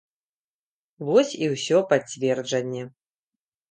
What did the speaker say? Вось і ўсё пацверджанне.